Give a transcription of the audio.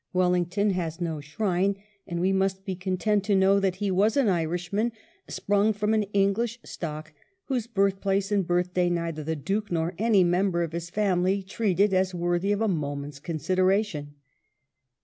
Wellington has no shrine ; and we must be content to know that he was an Irishman sprung from an English stock, whose birth place and birthday neither the Duke nor any member of his family " treated as worthy of a moment's consideration."